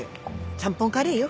ちゃんぽんカレーよ。